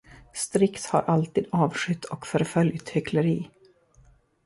Strix har alltid avskytt och förföljt hyckleri.